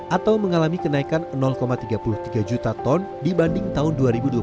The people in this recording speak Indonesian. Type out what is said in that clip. atau mengalami kenaikan tiga puluh tiga juta ton dibanding tahun dua ribu dua puluh